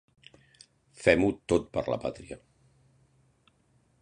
Fem-ho tot per la pàtria.